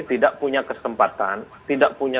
tidak punya kesempatan tidak punya